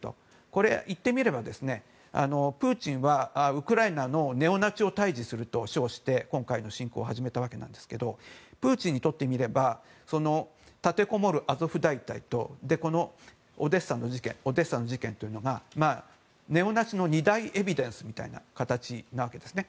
これは言ってみればプーチンはウクライナのネオナチを退治すると称して今回の侵攻を始めたわけなんですけどプーチンにとってみれば立てこもるアゾフ大隊とオデーサの事件というのがネオナチの二大エビデンスみたいな形なわけですね。